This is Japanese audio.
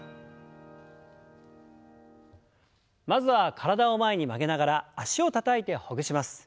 まずは体を前に曲げながら脚をたたいてほぐします。